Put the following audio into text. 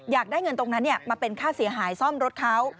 อยากได้เงินตรงนั้นมาเป็นค่าเสียหายซ่อมรถเขา